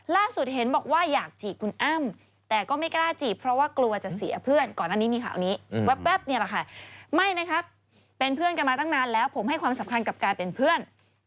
เห็นบอกว่าอยากจีบคุณอ้ำแต่ก็ไม่กล้าจีบเพราะว่ากลัวจะเสียเพื่อนก่อนอันนี้มีข่าวนี้แว๊บนี่แหละค่ะไม่นะครับเป็นเพื่อนกันมาตั้งนานแล้วผมให้ความสำคัญกับการเป็นเพื่อน